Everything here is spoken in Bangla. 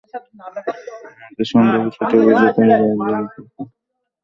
আমার সঙ্গে ছুটে বুঝি তুই পারবি, খুকি?